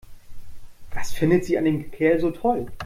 Was findet sie an dem Kerl so toll?